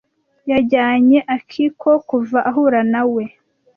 Yajyanye Akiko kuva ahura na we.